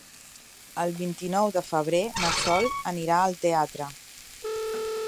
El vint-i-nou de febrer na Sol anirà al teatre.